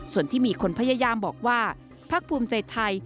ส่วนที่มีคนพยายามบอกว่าพักภูมิใจไทย